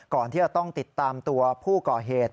ก่อนที่จะต้องติดตามตัวผู้ก่อเหตุ